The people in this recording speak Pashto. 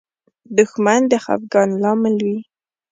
دښمن د خفګان لامل وي